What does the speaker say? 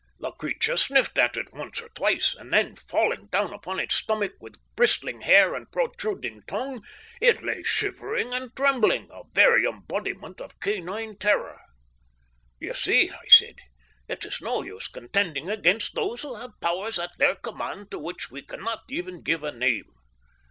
The creature sniffed at it once or twice, and then, falling upon its stomach, with bristling hair and protruding tongue, it lay shivering and trembling, a very embodiment of canine terror. "You see," I said, "it is no use contending against those who have powers at their command to which we cannot even give a name.